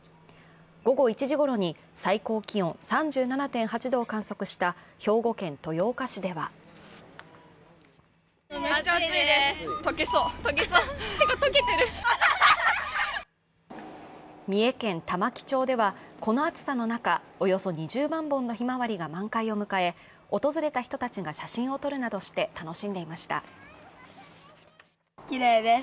午後１時ごろに最高気温３７．８度を観測した兵庫県豊岡市では三重県玉城町ではこの暑さの中、およそ２０万本のひまわりが満開を迎え、訪れた人たちが写真を撮るなどして楽しんでいました。